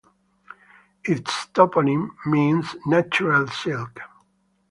Its toponym means "natural silk".